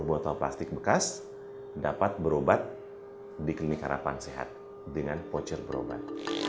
botol plastik bekas dapat berobat di klinik harapan sehat dengan voucher berobat